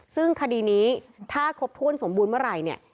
ซึ่งคดีนี้ถ้าครบถ้วนสมบูรณ์เมื่อไหร่เนี่ย